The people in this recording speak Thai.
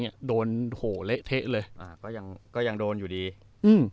เนี้ยโดนโหเละเทะเลยอ่าก็ยังก็ยังโดนอยู่ดีอืม